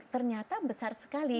ternyata besar sekali